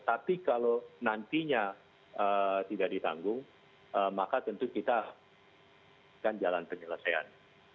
tapi kalau nantinya tidak ditanggung maka tentu kita akan jalan penyelesaian